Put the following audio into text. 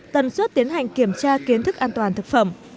tầm suốt tiến hành kiểm tra kiến thức an toàn thực phẩm